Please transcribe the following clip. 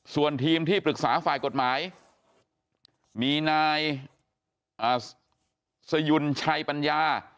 ส่วนทีมที่ปรึกษาฝ่ายกฎหมายมีนายสยุนชัยปัญญา